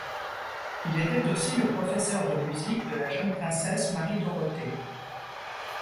Il était aussi le professeur de musique de la jeune princesse Marie-Dorothée.